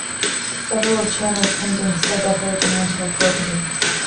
Several of Chanler's paintings still decorate the mansion at Rokeby.